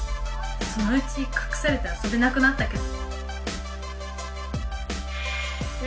そのうちかくされてあそべなくなったけど」。